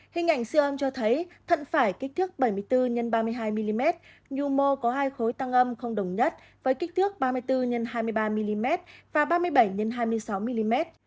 hình ảnh siêu âm cho thấy thận phải kích thước bảy mươi bốn x ba mươi hai mm nhu mô có hai khối tăng âm không đồng nhất với kích thước ba mươi bốn x hai mươi ba mm và ba mươi bảy x hai mươi sáu mm